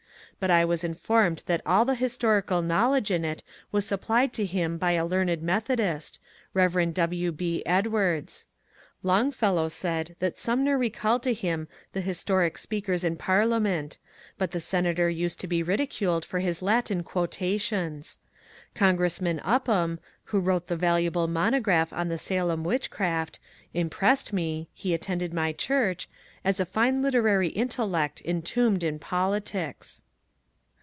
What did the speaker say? But I was informed that all the historical knowledge in it was supplied to him by a learned Methodist, Rev. W. B. Edwards. Longfellow said that Sum ner recalled to him the historic speakers in Parliament, but the senator used to be ridiculed for his Latin quotations. Congressman Upham, who wrote the valuable monograph on the Salem witchcraft, impressed me — he attended my church — as a fine literary intellect entombed in politics.